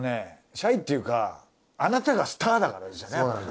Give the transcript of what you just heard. シャイっていうかあなたがスターだからですよねやっぱり。